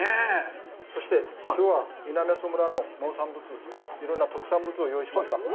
そして、きょうは南阿蘇村の農産物、いろんな特産物を用意しました。